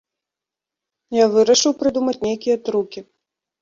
Я вырашыў прыдумаць нейкія трукі.